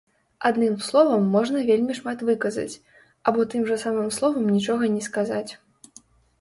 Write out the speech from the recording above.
Адным словам можна вельмі шмат выказаць, або тым жа самым словам нічога не сказаць.